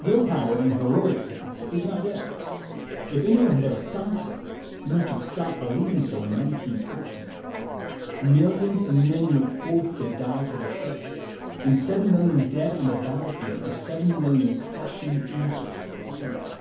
Will power in the heroic sense is not dead. If any one had ever thought so, he must have stopped believing so in 1914. Millions of men went forth to die for their faith, and seven million dead on the battlefield are seven million crushing answers to the cynic.